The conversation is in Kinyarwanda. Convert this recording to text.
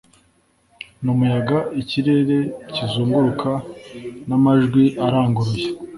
Numuyaga ikirere kizunguruka n'amajwi aranguruye